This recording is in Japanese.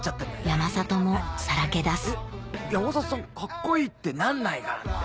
山里も曝け出す「えっ山里さんカッコいい」ってなんないかなって。